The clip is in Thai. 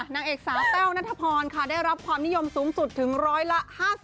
นางเอกสาวแต้วนัทพรค่ะได้รับความนิยมสูงสุดถึงร้อยละ๕๐